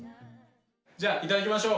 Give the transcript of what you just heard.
じゃあいただきましょう。